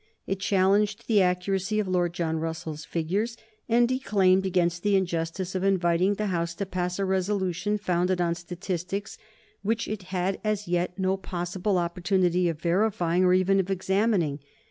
He challenged the accuracy of Lord John Russell's figures, and declaimed against the injustice of inviting the House to pass a resolution founded on statistics which it had as yet no possible opportunity of verifying or even of examining.